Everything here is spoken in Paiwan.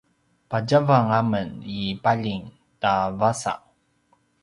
patjavang a men i paljing ta “vasa”